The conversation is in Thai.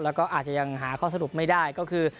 แล้วก็อาจจะยังหาข้อสรุปไม่ได้ก็คือ